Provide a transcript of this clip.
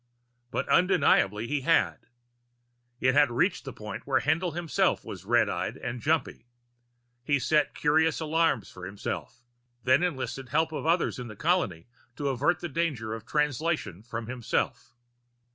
But undeniably he had. It had reached a point where Haendl himself was red eyed and jumpy. He had set curious alarms for himself had enlisted the help of others of the colony to avert the danger of Translation from himself.